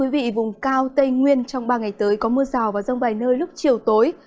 vùng cao tây nguyên trong ba ngày tới có mưa rào và rông vài nơi lúc chiều tối